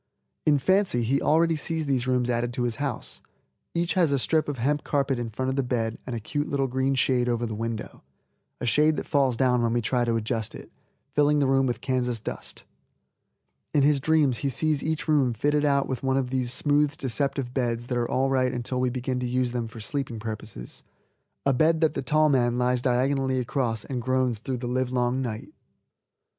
In fancy he already sees these rooms added to his house. Each has a strip of hemp carpet in front of the bed and a cute little green shade over the window, a shade that falls down when we try to adjust it, filling the room with Kansas dust. In his dreams he sees each room fitted out with one of those smooth, deceptive beds that are all right until we begin to use them for sleeping purposes, a bed that the tall man lies diagonally across and groans through the livelong night.